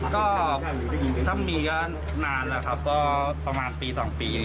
ก็ถ้ามีก็นานแล้วครับก็ประมาณปี๒ปี